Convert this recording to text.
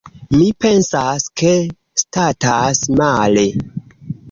Mi pensas, ke statas male.